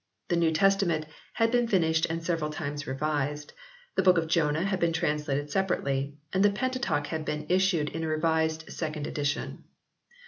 The New Testament had been finished and several times revised ; the book of Jonah had been translated separately ; and the Pentateuch had been issued in a revised second edition.